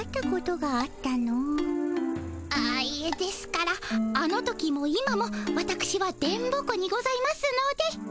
あっいえですからあの時も今もわたくしは電ボ子にございますので。